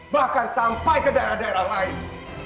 bahkan sampai ke daerah daerah lain